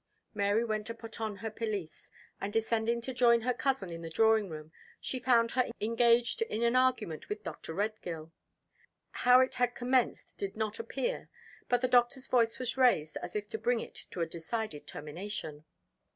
Mary went to put on her pelisse; and, descending to join her cousin in the drawing room, she found her engaged in an argument with Dr. Redgill. How it had commenced did not appear; but the Doctor's voice was raised as if to bring it to a decided termination.